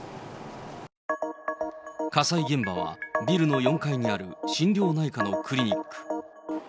火災現場は、ビルの４階にある心療内科のクリニック。